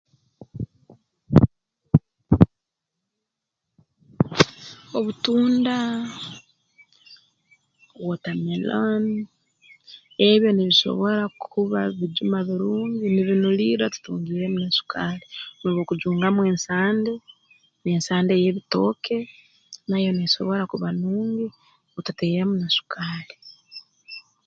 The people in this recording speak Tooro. Obutunda water melon ebyo nibisobora kuba bijuma birungi nibinulirra tutungiiremu na sukaali n'obwokujungamu ensande n'ensande y'ebitooke nayo neesobora kuba nungi otatairemu na sukaali